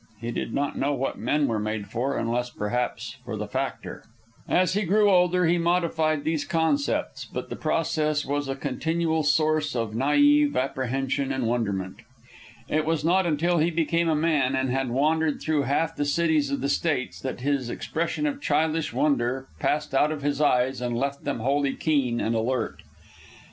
He did not know what men were made for, unless, perhaps, for the factor. As he grew older he modified these concepts, but the process was a continual source of naive apprehension and wonderment. It was not until he became a man and had wandered through half the cities of the States that this expression of childish wonder passed out of his eyes and left them wholly keen and alert.